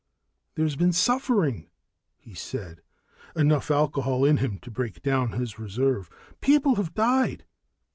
"There's been suffering," he said, enough alcohol in him to break down his reserve. "People have died."